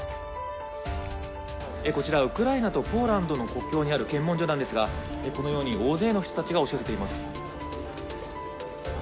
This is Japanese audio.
こちら、ウクライナとポーランドの国境にある検問所なんですが、このように大勢の人たちが押し寄せています。